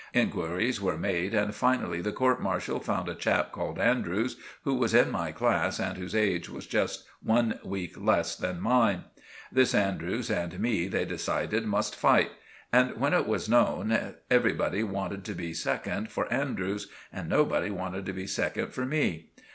Inquiries were made and finally the court martial found a chap called Andrews, who was in my class and whose age was just one week less than mine. This Andrews and me they decided must fight; and when it was known, everybody wanted to be second for Andrews and nobody wanted to be second for me.